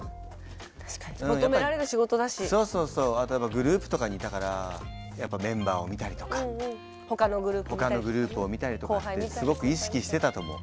グループとかにいたからやっぱメンバーを見たりとかほかのグループを見たりとかってすごく意識してたと思う。